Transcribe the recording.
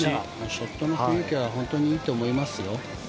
ショットの雰囲気は本当にいいと思いますよ。